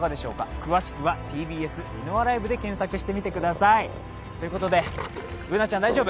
詳しくはＴＢＳディノアライブで検索してみてください。ということでＢｏｏｎａちゃん大丈夫？